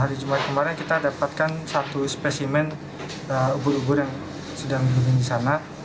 hari jumat kemarin kita dapatkan satu spesimen ubur ubur yang sedang dioming di sana